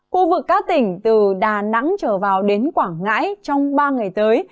khu vực các tỉnh từ đà nẵng trở vào đến quảng ngãi trong ba ngày tới